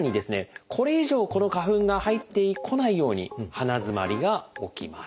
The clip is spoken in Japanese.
これ以上この花粉が入ってこないように鼻づまりが起きます。